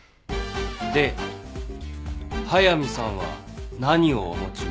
で速見さんは何をお持ちに？